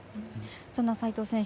そんな齋藤選手